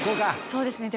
そうですね。